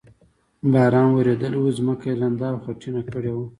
باران ورېدلی و، ځمکه یې لنده او خټینه کړې وه.